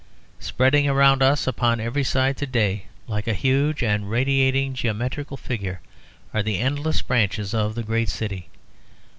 Spreading around us upon every side to day like a huge and radiating geometrical figure are the endless branches of the great city.